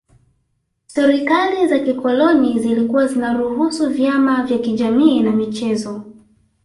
Serikali za kikoloni zilikuwa zinaruhusu vyama vya kijamii na michezo